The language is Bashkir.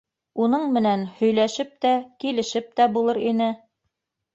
Уның менән һөйләшеп тә, килешеп тә булыр ине.